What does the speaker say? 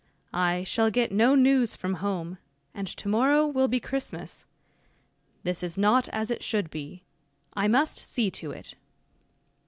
I shall get no news from home, and to morrow will be Christmas. This is not as it should be; I must see to it."